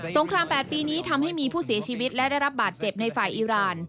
งคราม๘ปีนี้ทำให้มีผู้เสียชีวิตและได้รับบาดเจ็บในฝ่ายอิราณ